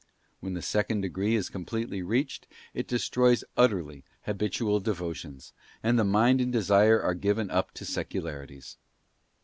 When the second degree is completely reached, it destroys utterly habitual devotions, and the mind and desire are given up to secularities.